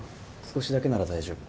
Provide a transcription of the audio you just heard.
少しだけなら大丈夫。